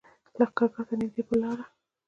لښکرګاه ته نږدې پر لاره.